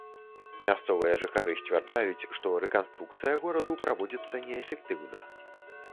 Мясцовыя жыхары сцвярджаюць, што рэканструкцыя гораду праводзіцца неэфектыўна.